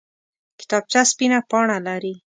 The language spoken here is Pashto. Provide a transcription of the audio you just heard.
کتابچه سپینه پاڼه لري